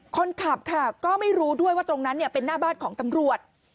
คนขับค่ะก็ไม่รู้ด้วยว่าตรงนั้นเป็นหน้าบ้านของตำรวจ